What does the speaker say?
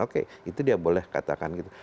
oke itu dia boleh katakan gitu